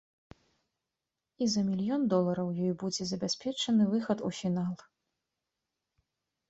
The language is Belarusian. І за мільён долараў ёй будзе забяспечаны выхад у фінал.